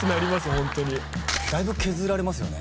ホントにだいぶ削られますよね